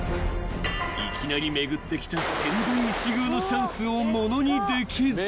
［いきなり巡ってきた千載一遇のチャンスを物にできず］